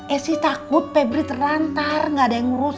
esi takut pebri terlantar enggak ada yang ngurusin